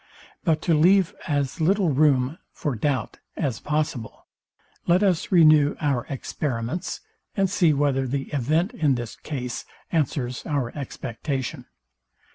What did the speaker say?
But to leave as little room for doubt as possible, let us renew our experiments, and see whether the event in this case answers our expectation.